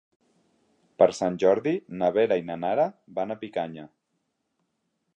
Per Sant Jordi na Vera i na Nara van a Picanya.